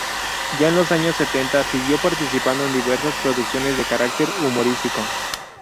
Ya en los años setenta, siguió participando en diversas producciones de carácter humorístico.